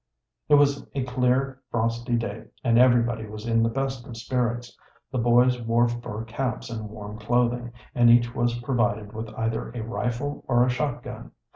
It was a clear, frosty day and everybody was in the best of spirits. The boys wore fur caps and warm clothing, and each was provided with either a rifle or a shot gun.